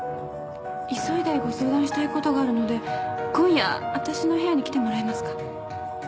急いでご相談したいことがあるので今夜私の部屋に来てもらえますか？